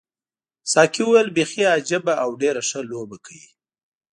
ساقي وویل بیخي عجیبه او ډېره ښه لوبه کوي.